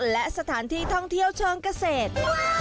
และสถานที่ท่องเที่ยวเชิงเกษตร